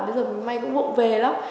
bây giờ may cũng gộn về lắm